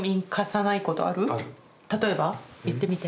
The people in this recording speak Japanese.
例えば？言ってみて。